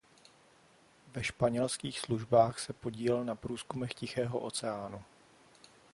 Ve španělských službách se podílel na průzkumech Tichého oceánu.